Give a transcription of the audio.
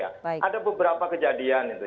ada beberapa kejadian itu